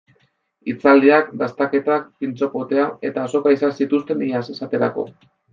Hitzaldiak, dastaketak, pintxo potea eta azoka izan zituzten iaz, esaterako.